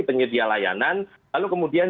penyedia layanan lalu kemudian